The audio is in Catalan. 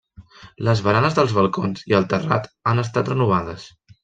Les baranes dels balcons i el terrat han estat renovades.